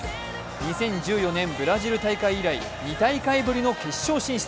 ２０１４年ブラジル大会以来、２大会ぶりの決勝進出。